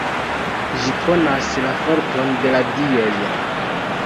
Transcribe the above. Ĝi konas la forton de la Dioj.